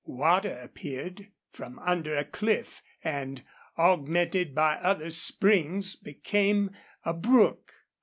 Water appeared from under a cliff and, augmented by other springs, became a brook.